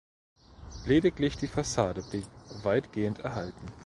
Lediglich die Fassade blieb weitgehend erhalten.